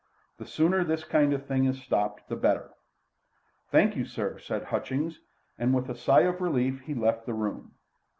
The sooner this kind of thing is stopped the better." "Thank you, sir," said Hutchings, and with a sigh of relief he left the room.